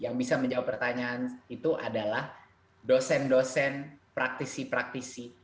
yang bisa menjawab pertanyaan itu adalah dosen dosen praktisi praktisi